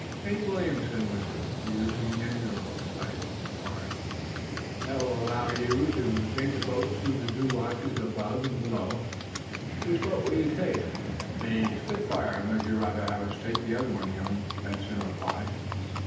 "Take Williamson with you, for use in the engine room," advised Mr. Farnum. "That will allow you to take the boat through with two watches above and below. Which boat will you take?" "The 'Spitfire,' unless you'd rather have us take the other one," young Benson replied.